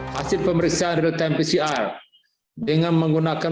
hasil pemeriksaan real time pcr dengan menggunakan